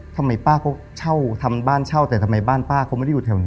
ทำไมป้าก็เช่าทำบ้านเช่าแต่ทำไมบ้านป้าเขาไม่ได้อยู่แถวนี้